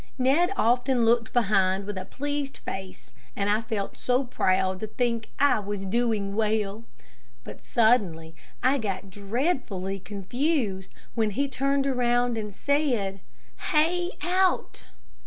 Ned often looked behind with a pleased face, and I felt so proud to think I was doing well; but suddenly I got dreadfully confused when he turned around and said, "Hie out!"